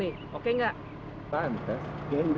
ini kira restoran padang